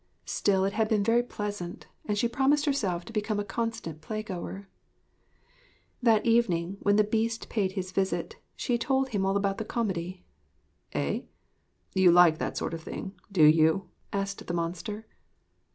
Still it had been very pleasant, and she promised herself to become a constant playgoer. That evening when the Beast paid his visit, she told him all about the comedy. 'Eh? You like that sort of thing, do you?' asked the monster.